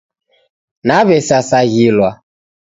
Nawesasaghilwa